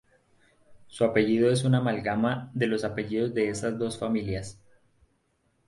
Su apellido es una amalgama de los apellidos de esas dos familias.